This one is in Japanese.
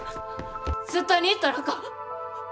絶対に行ったらあかん！